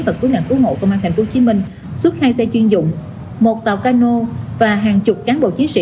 và cứu nạn cứu hộ công an thành phố hồ chí minh xuất hai xe chuyên dụng một tàu cano và hàng chục cán bộ chiến sĩ